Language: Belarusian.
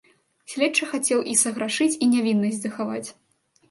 Следчы хацеў і саграшыць і нявіннасць захаваць.